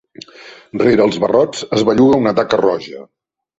Rere els barrots es belluga una taca roja.